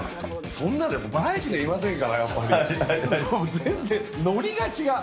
そんなのバラエティーにはいませんから、やっぱり、全然ノリが違う。